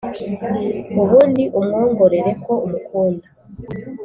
ubundi umwongorere ko umukunda.